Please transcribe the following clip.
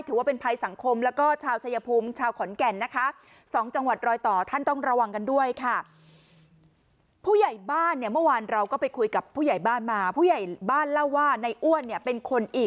ถือว่าเป็นภัยสังคมแล้วก็ชาวชายภูมิชาวขอนแก่นนะคะ